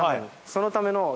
そのための。え！